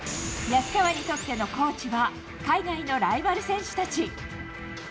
安川にとってのコーチは、海外のライバル選手たち。